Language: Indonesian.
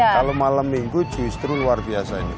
kalau malam minggu justru luar biasa ini